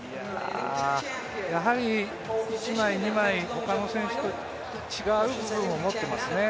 やはり一枚、二枚ほかの選手と違う部分を持ってますね。